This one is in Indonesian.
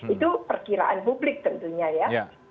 itu perkiraan publik tentunya ya